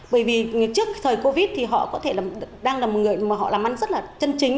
bởi vì trước thời covid thì họ có thể đang là một người mà họ làm ăn rất là chân chính